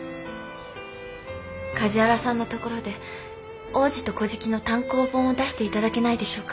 梶原さんのところで「王子と乞食」の単行本を出して頂けないでしょうか。